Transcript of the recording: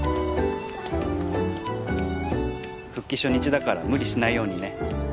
復帰初日だから無理しないようにね。